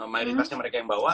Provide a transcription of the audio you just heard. mainin pasnya mereka yang bawa